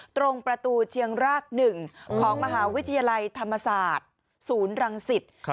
ตรงประตูเชียงราก๑ของมหาวิทยาลัยธรรมศาสตร์ศูนย์รังสิต